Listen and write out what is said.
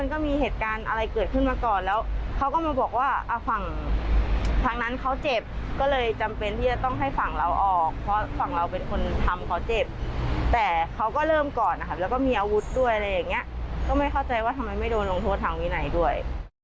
ก็ไม่เข้าใจว่าทำไมลงโทษภาคมีไหนด้วย